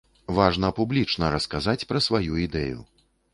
Важна публічна расказаць пра сваю ідэю.